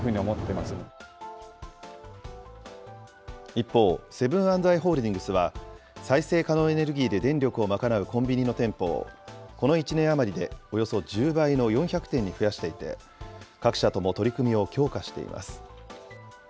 一方、セブン＆アイ・ホールディングスは、再生可能エネルギーで電力を賄うコンビニの店舗を、この１年余りでおよそ１０倍の４００店に増やしていて、各社とも取り組みを強化しています。